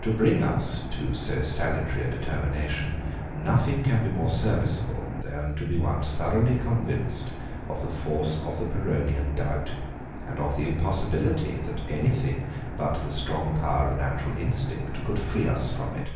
To bring us to so salutary a determination, nothing can be more serviceable, than to be once thoroughly convinced of the force of the Pyrrhonian doubt, and of the impossibility, that anything, but the strong power of natural instinct, could free us from it.